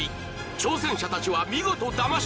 ［挑戦者たちは見事だまし